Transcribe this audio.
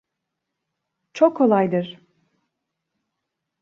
Çok kolaydır.